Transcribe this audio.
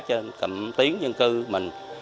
cho cận tiến dân cư mình